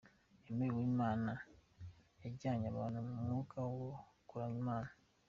Aime Uwimana yajyanye abantu mu mwuka wo kuramya Imana.